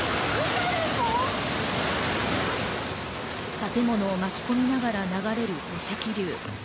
建物を巻き込みながら流れる土石流。